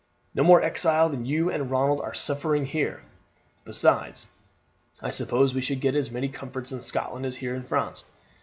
"No more exile than you and Ronald are suffering here. Besides, I suppose we should get as many comforts in Scotland as here in France.